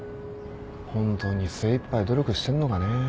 本当に精いっぱい努力してんのかねぇ。